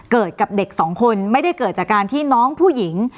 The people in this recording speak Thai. เกิดกับเด็กสองคนไม่ได้เกิดจากการที่น้องผู้หญิง